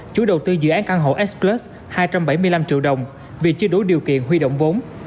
chủ đầu tư dự án căn hộ expus hai trăm bảy mươi năm triệu đồng vì chưa đủ điều kiện huy động vốn